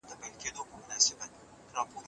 تاسو باید ماته په تمه نه شئ.